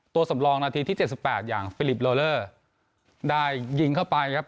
ตัวสำรองนาทีที่เจ็ดสิบแปดอย่างฟิลิปโลเลอร์ได้ยิงเข้าไปครับ